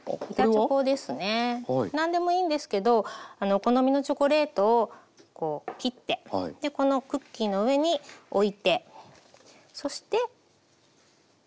何でもいいんですけどお好みのチョコレートを切ってこのクッキーの上に置いてそして。